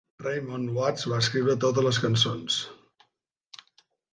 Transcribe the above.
Raymond Watts va escriure totes les cançons.